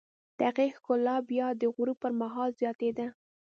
د هغې ښکلا بیا د غروب پر مهال زیاتېده.